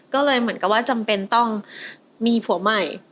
ก็เลยเหมือนกับว่าจำเป็นต้องมีผัวใหม่